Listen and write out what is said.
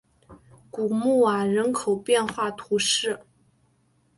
古穆瓦人口变化图示